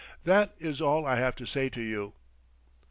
That is all I have to say to you."